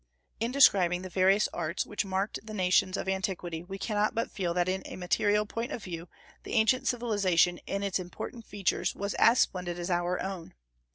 In describing the various arts which marked the nations of antiquity, we cannot but feel that in a material point of view the ancient civilization in its important features was as splendid as our own.